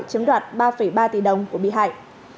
chiếm đoạt ba ba tỷ đồng của bị hại